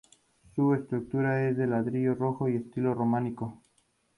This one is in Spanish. Su estructura es de ladrillo rojo y de estilo románico.